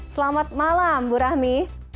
selamat malam bu rahmi